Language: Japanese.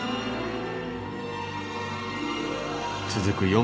続く